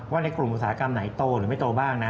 ในกลุ่มอุตสาหกรรมไหนโตหรือไม่โตบ้างนะ